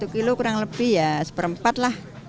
satu kilo kurang lebih ya satu per empat lah